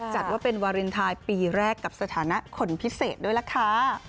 จัดว่าเป็นวาเลนไทยปีแรกกับสถานะคนพิเศษด้วยล่ะค่ะ